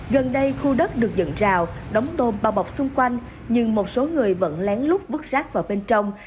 gần đây khu đất được dựng rào đóng tôm bao bọc xung quanh nhưng một số người vẫn lén lút vứt rác vào bên trong